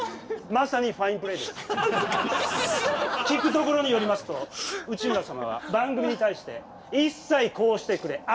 聞くところによりますと内村様は番組に対して一切「こうしてくれ」